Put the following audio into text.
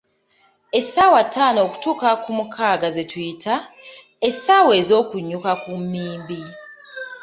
Essaawa ttaano okutuuka ku mukaaga ze tuyita, essaawa "ez'okunyuka ku mmimbi".